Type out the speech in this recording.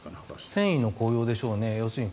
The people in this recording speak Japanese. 戦意の高揚でしょうね。